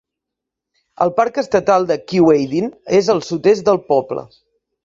El parc estatal de Keewaydin és al sud-est del poble.